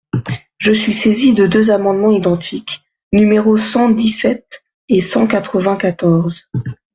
Je suis saisi de deux amendements identiques, numéros cent dix-sept et cent quatre-vingt-quatorze.